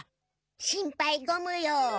心配ごむよう。